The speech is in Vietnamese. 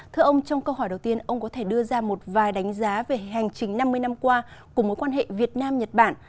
thưa ông trong câu hỏi đầu tiên ông có thể đưa ra một vài đánh giá về hành trình năm mươi năm qua của mối quan hệ việt nam nhật bản